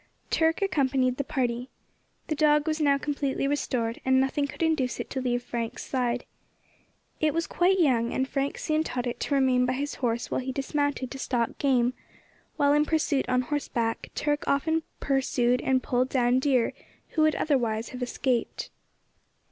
Turk accompanied the party. The dog was now completely restored, and nothing could induce it to leave Frank's side. It was quite young, and Frank soon taught it to remain by his horse while he dismounted to stalk game; while in pursuit on horseback, Turk often pursued and pulled down deer who would otherwise have escaped.